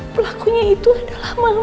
pelakunya itu adalah mama